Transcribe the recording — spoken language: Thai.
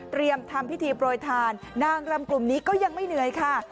ทำพิธีโปรยทานนางรำกลุ่มนี้ก็ยังไม่เหนื่อยค่ะ